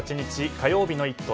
火曜日の「イット！」